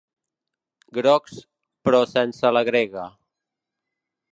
Grocs, però sense la grega.